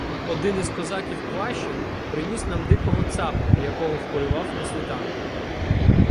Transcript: Один із козаків Кваші приніс нам дикого цапа, якого вполював на світанку.